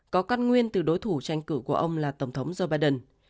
có căn nguyên từ đối thủ tranh cử của ông là tổng thống joe biden